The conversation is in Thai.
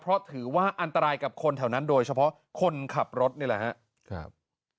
เพราะถือว่าอันตรายกับคนแถวนั้นโดยเฉพาะคนขับรถนี่แหละครับ